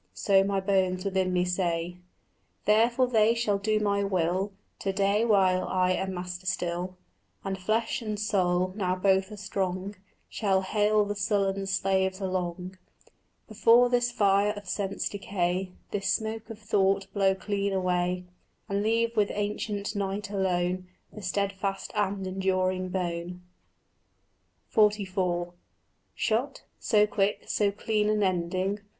So my bones within me say. Therefore they shall do my will To day while I am master still, And flesh and soul, now both are strong, Shall hale the sullen slaves along, Before this fire of sense decay, This smoke of thought blow clean away, And leave with ancient night alone The stedfast and enduring bone. XLIV Shot? so quick, so clean an ending?